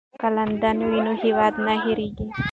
که لنډۍ وي نو هیواد نه هیریږي.